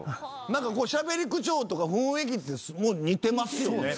何かしゃべり口調とか雰囲気も似てますよね。